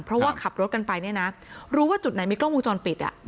เพราะว่าขับรถกันไปเนี่ยนะรู้ว่าจุดไหนมีกล้องวงจรปิด